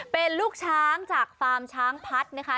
เป็นลูกช้างจากฟาร์มช้างพัดนะคะ